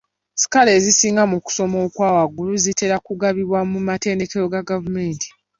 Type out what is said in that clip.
Sikaala ezisinga mu kusoma okwa waggulu zitera kugabibwa mu matendekero ga gavumenti.